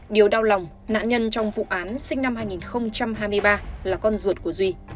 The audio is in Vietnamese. điều đau lòng nạn nhân trong vụ án sinh năm hai nghìn hai mươi ba là con ruột của duy